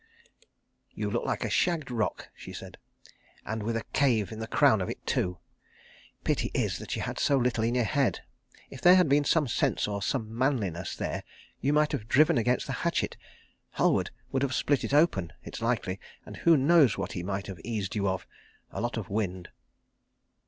"You look like a shagged rock," she said, "and with a cave in the crown of it, too. Pity is that you had so little in your head. If there had been some sense or some manliness there you might have driven against the hatchet. Halward would have split it open, it's likely, and who knows what he might have eased you of? A lot of wind."